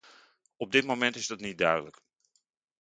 Op dit moment is dat niet duidelijk.